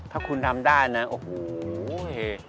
ถ้าคุณทำได้นะโอ้โห